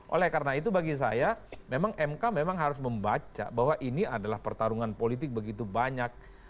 oleh karena itu bagi saya memang mk memang harus membaca bahwa ini adalah pertarungan politik begitu banyak